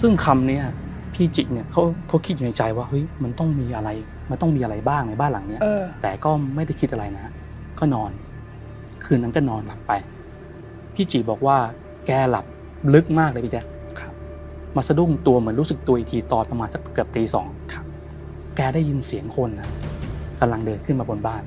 อืมเขาก็ชินกับบ้านหลังนี้อยู่แล้วอืม